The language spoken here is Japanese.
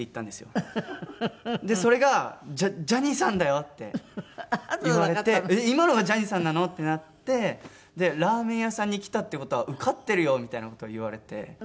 それが「ジャニーさんだよ」って言われて「えっ今のがジャニーさんなの？」ってなって「ラーメン屋さんに来たっていう事は受かってるよ」みたいな事を言われて。